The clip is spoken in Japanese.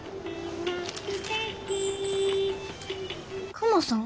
クマさん？